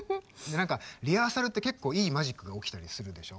何かリハーサルって結構いいマジックが起きたりするでしょ。